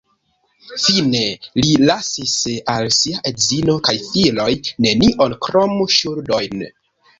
Fine li lasis al sia edzino kaj filoj nenion krom ŝuldojn.